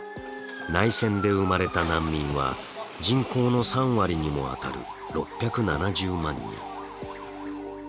内戦で生まれた難民は人口の３割にもあたる６７０万人。